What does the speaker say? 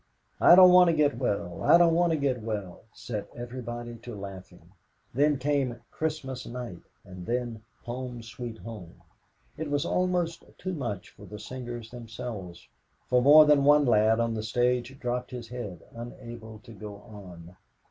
"I don't want to get well, I don't want to get well," set everybody to laughing. Then came "Christmas Night" and then "Home, Sweet Home." It was almost too much for the singers themselves, for more than one lad on the stage dropped his head, unable to go on.